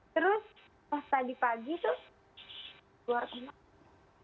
terus pas tadi pagi terus keluar ke rumah